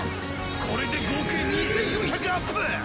これで合計２４００アップ！